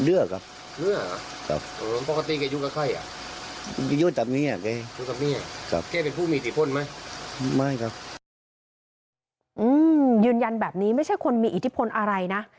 ยืนยันแบบนี้ไม่ใช่คนมีอิทธิพลอะไรนะ